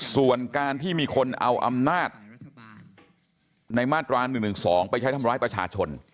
ส่วนการที่มีคนเอาอำนาจในมาตรา๑๑๒ไปใช้ทำร้ายประชาชน